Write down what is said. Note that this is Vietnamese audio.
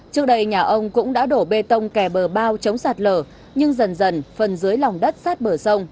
trước đây nhà ông cũng đã đổ bê tông kè bờ bao chống sạt lở nhưng dần dần phần dưới lòng đất sát bờ sông